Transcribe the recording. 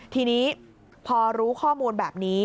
ทีนี้พอรู้ข้อมูลแบบนี้